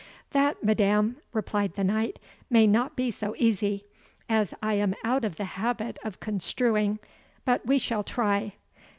"That, madam," replied the Knight, "may not be so easy, as I am out of the habit of construing but we shall try.